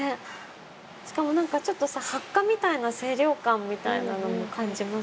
しかもなんかちょっとさハッカみたいな清涼感みたいなのも感じますよね。